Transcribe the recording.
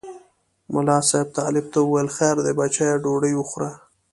ملا صاحب طالب ته وویل خیر دی بچیه ډوډۍ وخوره.